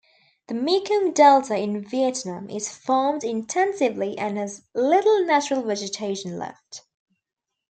The Mekong delta in Vietnam is farmed intensively and has little natural vegetation left.